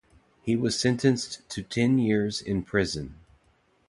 He was sentenced to ten years in prison.